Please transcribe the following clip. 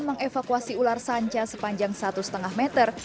mengevakuasi ular sanca sepanjang satu lima meter